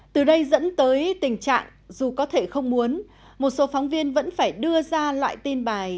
từ đây dẫn tới tình trạng dù có thể không muốn một số phóng viên vẫn phải đưa ra loại tin bài